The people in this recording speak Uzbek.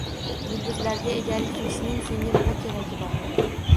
— Yulduzlarga egalik qilishning senga nima keragi bor?